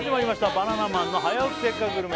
バナナマンの「早起きせっかくグルメ！！」